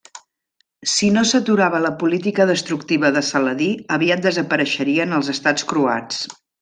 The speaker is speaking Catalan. Si no s'aturava la política destructiva de Saladí, aviat desapareixerien els estats croats.